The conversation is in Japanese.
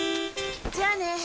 じゃあね。